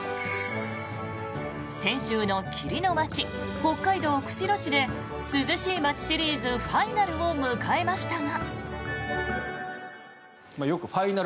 先週の霧の街、北海道釧路市で涼しい街シリーズファイナルを迎えましたが。